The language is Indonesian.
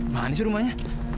mana sih rumahnya